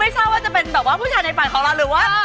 ไม่ชอบว่าจะเป็นผู้ชายในฝันของเราหรือว่า